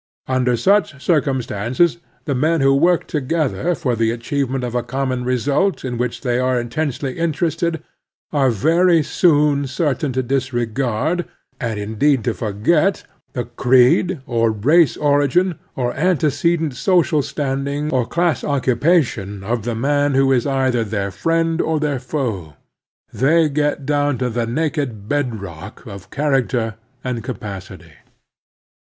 Under such circumstances the men who work together for the achievement of a common result in which they are intensely inter ested are very soon certain to disregard, and, indeed, to forget, the creed or race origin or ante cedent social standing or class occupation of the man who is either their friend or then foe. They get down to the naked bed rock of character and capacity.